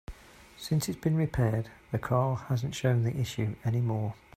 Since it's been repaired, the car hasn't shown the issue any more.